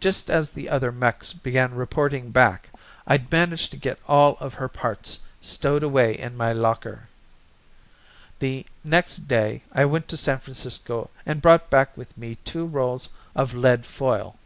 Just as the other mechs began reporting back I'd managed to get all of her parts stowed away in my locker. The next day I went to San Francisco and brought back with me two rolls of lead foil.